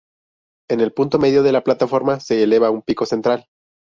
En el punto medio de la plataforma se eleva un pico central.